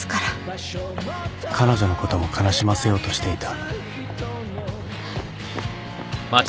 彼女のことも悲しませようとしていた